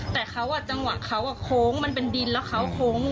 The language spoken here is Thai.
แต่เขาจังหวะเขาโค้งมันเป็นดินแล้วเขาโค้ง